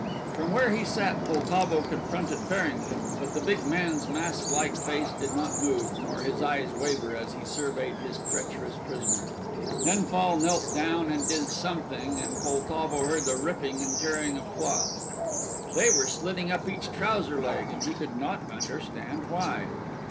From where he sat Poltavo confronted Farrington, but the big man's mask like face did not move, nor his eyes waver as he surveyed his treacherous prisoner. Then Fall knelt down and did something, and Poltavo heard the ripping and tearing of cloth. They were slitting up each trouser leg, and he could not understand why.